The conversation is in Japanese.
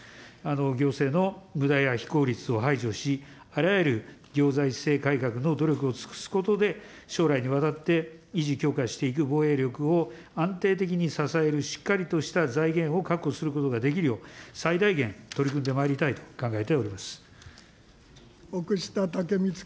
行政の無駄や非効率を排除し、あらゆる行財政改革の努力を尽くすことで、将来にわたって維持強化していく防衛力を安定的に支えるしっかりとした財源を確保することができるよう、最大限、取り組んでまい奥下剛光君。